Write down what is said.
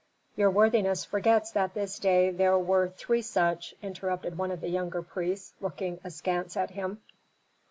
"Your worthiness forgets that this day there were three such," interrupted one of the younger priests looking askance at him.